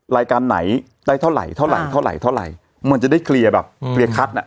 รายการไหนได้เท่าไหร่เท่าไหร่เท่าไหร่เท่าไหร่เหมือนจะได้เคลียร์แบบเคลียร์คัดอ่ะ